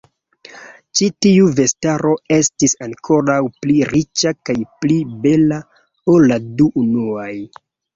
Ĉi tiu vestaro estis ankoraŭ pli riĉa kaj pli bela ol la du unuaj.